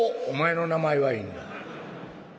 「お前の名前はいいんだ。